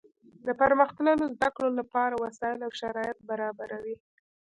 د پرمختللو زده کړو له پاره وسائل او شرایط برابروي.